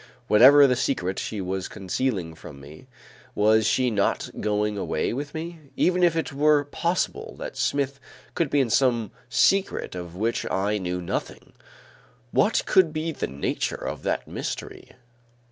Whatever the secret she was concealing from me, was she not going away with me? Even if it were possible that Smith could be in some secret of which I knew nothing, what could be the nature of that mystery?